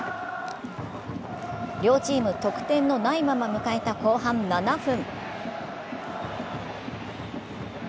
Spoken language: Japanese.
両チーム得点のないまま迎えた後半７分。